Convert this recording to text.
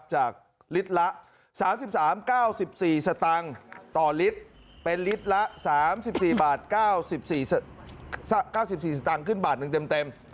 จากลิตรละ๓๓๙๔สตางค์ต่อลิตรเป็นลิตรละ๓๔บาท๙๔สตางค์ขึ้นบาทหนึ่งเต็ม